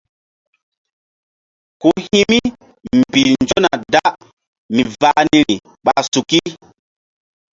Ku hi̧ mi mbih nzona da mi vah niri ɓa suki.